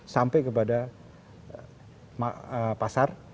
sampai kepada pasar